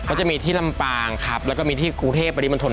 ก็จะมีที่ลำปางครับแล้วก็มีที่กรุงเทพปริมณฑล